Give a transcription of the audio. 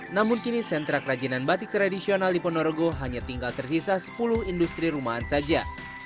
namun kini sentra kerajinan batik tradisional di ponorogo hanya tinggal tersisa sepuluh industri rumahan saja